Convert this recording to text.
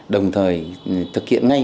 đồng thời thực hiện ngay